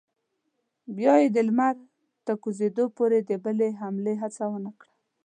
بیا یې د لمر تر کوزېدو پورې د بلې حملې هڅه ونه کړه.